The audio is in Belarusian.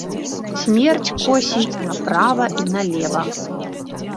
Смерць косіць направа і налева.